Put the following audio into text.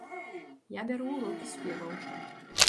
Я бяру ўрокі спеваў.